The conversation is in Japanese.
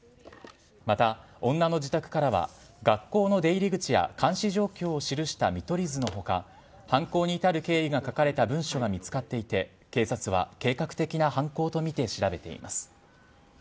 また、女の自宅からは、学校の出入り口や監視状況を記した見取り図のほか、犯行に至る経緯が書かれた文書が見つかっていて、警察は計画的な犯行と見て調べています。